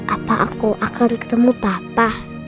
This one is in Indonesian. apa aku akan ketemu bapak